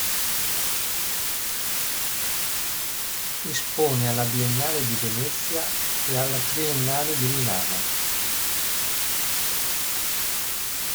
Espone alla Biennale di Venezia e alla Triennale di Milano.